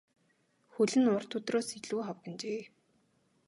Хөл нь урд өдрөөс илүү хавагнажээ.